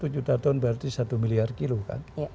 satu juta ton berarti satu miliar kilo kan